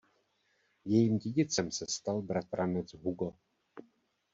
Jejím dědicem se stal bratranec Hugo.